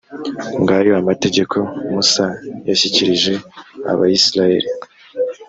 ngayo amategeko musa yashyikirije abayisraheli.